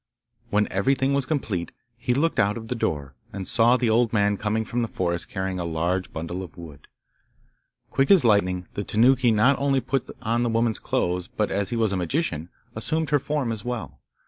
When everything was complete he looked out of the door, and saw the old man coming from the forest carrying a large bundle of wood. Quick as lightning the Tanuki not only put on the woman's clothes, but, as he was a magician, assumed her form as well.